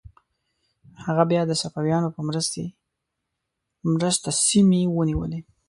هغه بیا د صفویانو په مرسته سیمې ونیولې.